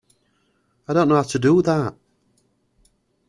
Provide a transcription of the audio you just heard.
I don't know how to do that.